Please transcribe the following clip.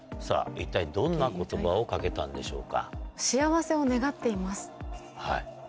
一体どんな言葉を掛けたんでしょうか？